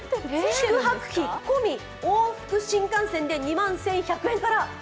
宿泊費込み、往復新幹線で２万１００円から。